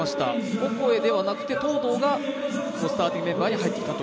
オコエではなくて東藤がスターティングメンバーに入ってきました。